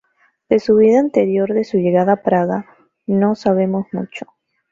De su vida anterior de su llegada a Praga, no sabemos mucho.